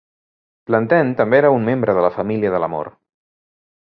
Plantin també era un membre de la Família de l'Amor.